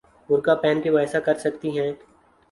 برقعہ پہن کے وہ ایسا کر سکتی ہیں؟